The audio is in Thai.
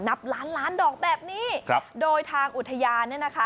นับล้านล้านดอกแบบนี้ครับโดยทางอุทยานเนี่ยนะคะ